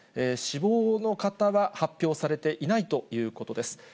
死亡の方は発表されていないということです。